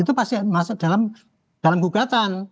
itu pasti masuk dalam gugatan